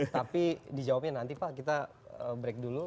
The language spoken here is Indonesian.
tapi dijawabnya nanti pak kita break dulu